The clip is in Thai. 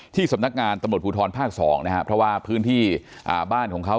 สำนักงานตำรวจภูทรภาค๒นะครับเพราะว่าพื้นที่บ้านของเขา